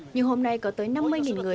nhưng hôm nay có tới năm mươi người